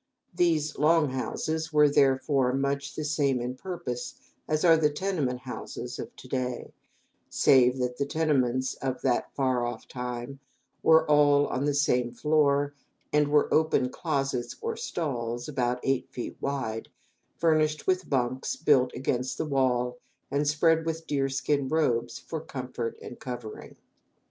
These "long houses" were, therefore, much the same in purpose as are the tenement houses of to day, save that the tenements of that far off time were all on the same floor and were open closets or stalls, about eight feet wide, furnished with bunks built against the wall and spread with deer skin robes for comfort and covering.